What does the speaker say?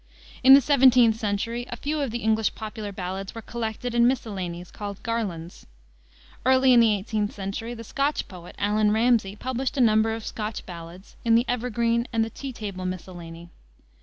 In the 17th century a few of the English popular ballads were collected in miscellanies, called Garlands. Early in the 18th century the Scotch poet, Allan Ramsay, published a number of Scotch ballads in the Evergreen and Tea Table Miscellany.